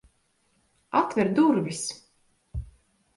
Atver durvis!